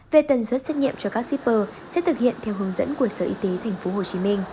về tần suất xét nghiệm cho các shipper sẽ thực hiện theo hướng dẫn của sở y tế tp hcm